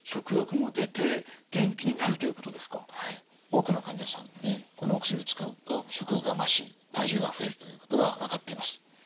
多くの患者さんでこのお薬を使うと食欲が増し体重が増えるということが分かっています。